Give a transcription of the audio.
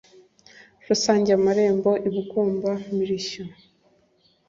rusangiye amarembo i bugomba-mirishyo.